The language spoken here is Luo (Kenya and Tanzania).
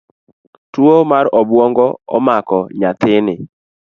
Tuo mar obuongo omako nyathini